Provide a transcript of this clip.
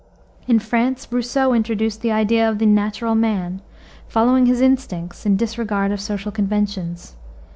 In France, Rousseau introduced the idea of the natural man, following his instincts in disregard of social conventions.